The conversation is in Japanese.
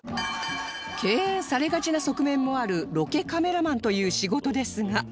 敬遠されがちな側面もあるロケカメラマンという仕事ですが